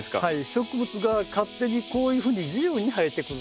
植物が勝手にこういうふうに自由に生えてくる。